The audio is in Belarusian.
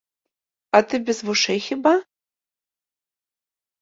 А ты без вушэй хіба?